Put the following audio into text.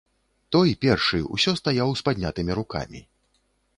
Той, першы, усё стаяў з паднятымі рукамі.